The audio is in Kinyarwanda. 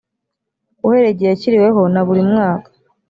uhereye igihe yashyiriweho na buri mwaka